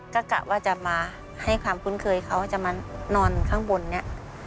ก็กะว่าจะมาให้ความคุ้นเคยเขาจะมานอนข้างบนเนี่ย